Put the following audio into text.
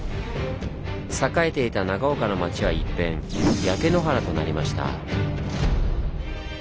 栄えていた長岡の町は一変焼け野原となりました。